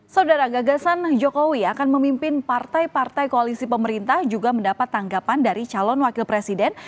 saudara gagasan jokowi akan memimpin partai partai koalisi pemerintah juga mendapat tanggapan dari calon wakil presiden